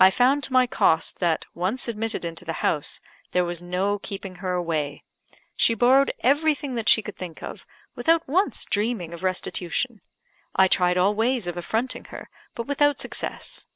I found to my cost, that, once admitted into the house, there was no keeping her away. She borrowed everything that she could think of, without once dreaming of restitution. I tried all ways of affronting her, but without success.